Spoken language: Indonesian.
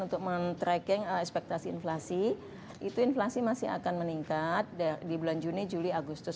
untuk men tracking ekspektasi inflasi itu inflasi masih akan meningkat di bulan juni juli agustus